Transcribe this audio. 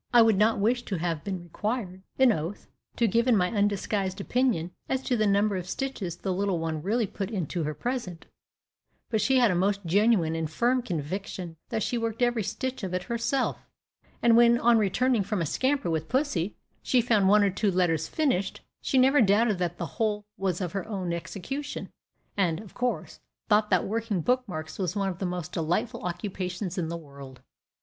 I would not wish to have been required, on oath, to give in my undisguised opinion as to the number of stitches the little one really put into her present, but she had a most genuine and firm conviction that she worked every stitch of it herself; and when, on returning from a scamper with pussy, she found one or two letters finished, she never doubted that the whole was of her own execution, and, of course, thought that working book marks was one of the most delightful occupations in the world.